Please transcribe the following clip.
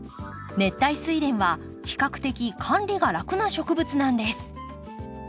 熱帯スイレンは比較的管理が楽な植物なんです。